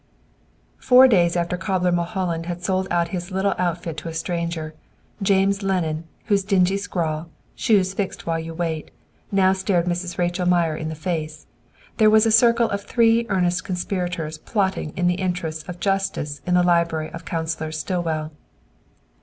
Four days after cobbler Mulholland had sold out his little outfit to a stranger, James Lennon, whose dingy scrawl, "Shoes Fixed While You Wait," now stared Mrs. Rachel Meyer in the face, there was a circle of three earnest conspirators plotting in the interests of justice in the library of Counsellor Stillwell.